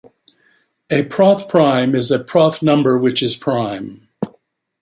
A Proth prime is a Proth number which is prime.